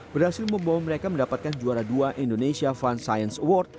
berhasil membawa mereka mendapatkan juara dua indonesia fund science award